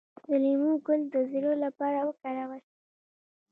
د لیمو ګل د زړه لپاره وکاروئ